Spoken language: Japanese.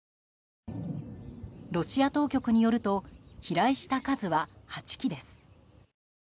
ロシア当局によると飛来した数は８機です。